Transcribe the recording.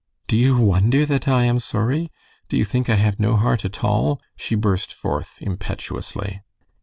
"Do you wonder that I am sorry? Do you think I have no heart at all?" she burst forth, impetuously.